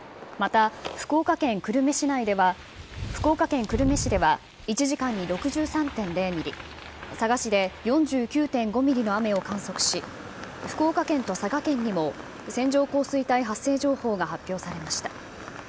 また、福岡県久留米では１時間に６３．０ミリ、佐賀市で４９．５ミリの雨を観測し、福岡県と佐賀県にも線状降水帯発生情報が発表されました。